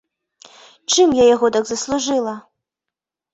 Чым я яго так заслужыла?